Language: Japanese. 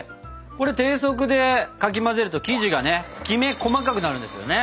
これ低速でかき混ぜると生地がねきめ細かくなるんですよね。